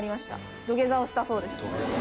土下座をしたそうです。